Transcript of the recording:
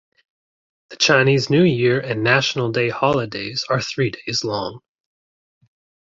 The Chinese New Year and National Day holidays are three days long.